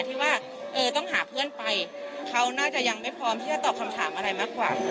ใช่ค่ะ